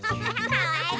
かわいい！